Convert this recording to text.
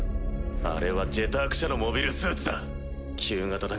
あれは「ジェターク社」のモビルスーツだ。